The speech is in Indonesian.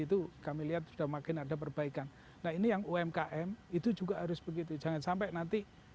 itu kami lihat sudah makin ada perbaikan nah ini yang umkm itu juga harus begitu jangan sampai nanti